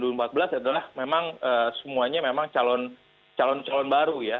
dimana pada saat pemilu presiden dua ribu empat belas adalah memang semuanya memang calon calon baru ya